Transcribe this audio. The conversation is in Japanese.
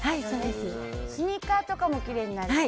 スニーカーとかもきれいになります。